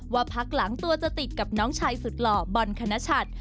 พักหลังตัวจะติดกับน้องชายสุดหล่อบอลคณชัด